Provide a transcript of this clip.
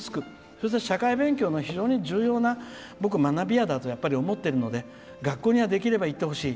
そういった社会勉強の非常に重要な僕、学びやだと思っているので、学校にはできるならいってほしい。